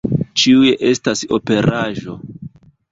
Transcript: Ĉiuj estas operaĵo.